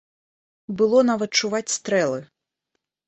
Было нават чуваць стрэлы.